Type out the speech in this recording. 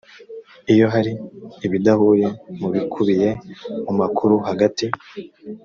iyo hari ibidahuye mu bikubiye mu makuru hagati